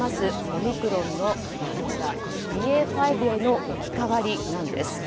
オミクロンのＢＡ．５への置き換わりなんです。